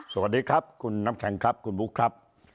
สวัสดีครับคุณน้ำแข็งครับคุณบุ๊คครับ